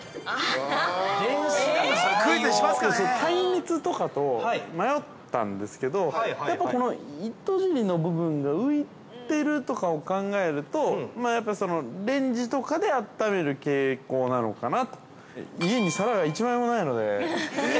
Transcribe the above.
耐熱とかと迷ったんですけど糸じりの部分が浮いてるとかを考えると、レンジとかであっためる傾向なのかな。